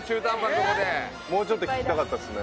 もうちょっと聴きたかったですね。